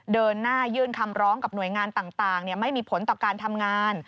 เดินหน้ายื่นคำร้องกับหน่วยงานต่างไม่มีผลต่อการทำงาน